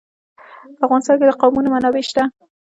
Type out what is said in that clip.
په افغانستان کې د قومونه منابع شته.